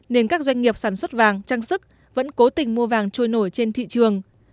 nên các doanh nghiệp sản xuất vàng trang sức vẫn cố tình mua vàng trôi nổi trên thị trường